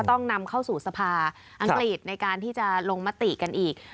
ต้องนำเข้าสู่สภาอังกฤษในการที่จะลงมติกันอีก